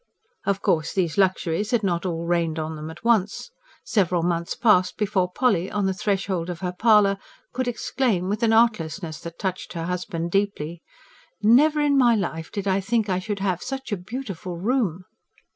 Of course, these luxuries had not all rained on them at once. Several months passed before Polly, on the threshold of her parlour, could exclaim, with an artlessness that touched her husband deeply: "Never in my life did I think I should have such a beautiful room!"